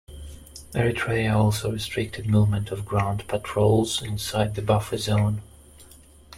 Eritrea also restricted movement of ground patrols inside the buffer zone.